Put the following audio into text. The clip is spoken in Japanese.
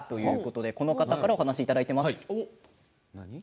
この方からお話をいただいています。